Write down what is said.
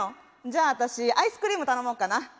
じゃあ私アイスクリーム頼もうかな。